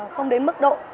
không đến mức độ